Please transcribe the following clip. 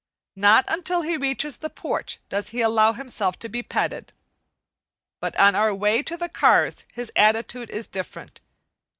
Not until he reaches the porch does he allow himself to be petted. But on our way to the cars his attitude is different.